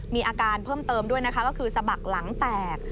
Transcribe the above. มีอาการเพิ่มเติมด้วยนะคะก็คือสะบักหลังแตก